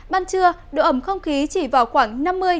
ban trưa độ ẩm không khí chỉ vào khoảng năm mươi sáu mươi